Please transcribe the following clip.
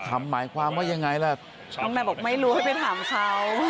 คำหมายความว่าอย่างไรคุณเขียนมาสอน